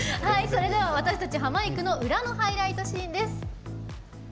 それでは私たちハマいくの裏のハイライトシーンです。